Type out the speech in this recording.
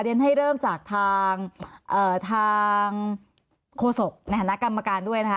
ให้เริ่มจากทางโฆษกในฐานะกรรมการด้วยนะคะ